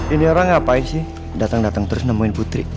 ini orang ngapain sih datang datang terus nemuin putri